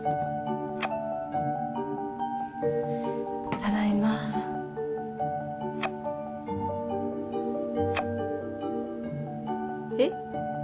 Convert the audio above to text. ただいまえっ？